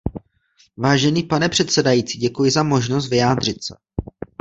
Vážený pane předsedající, děkuji za možnost vyjádřit se.